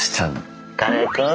カレーくん。